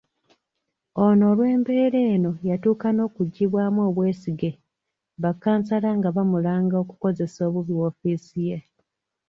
Ono olw’embeera eno yatuuka n’okuggyibwamu obwesige bakkansala nga bamulanga okukozesa obubi woofiisi ye.